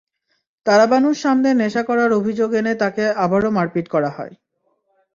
তারাবানুর সামনে নেশা করার অভিযোগ এনে তাকে আবারও মারপিট করা হয়।